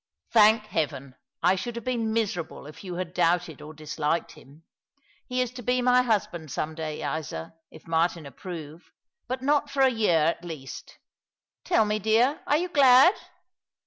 "Thank Heaven! I should have been miserable if you had doubted or disliked him. He is to be my husband some day, Isa, if JMartin approve — but not for a year, at least. Tiill me, dear, are you glad